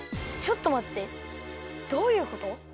ちょっとまってどういうこと？